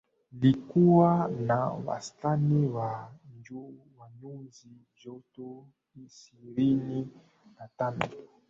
likiwa na wastani wa nyuzi joto ishirini na tano